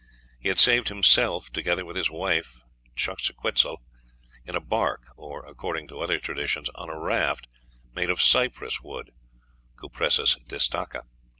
He had saved himself, together with his wife Xochiquetzal, in a bark, or, according to other traditions, on a raft made of cypress wood (Cupressus disticha).